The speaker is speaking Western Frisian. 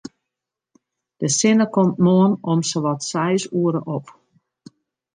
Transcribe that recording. De sinne komt moarn om sawat seis oere op.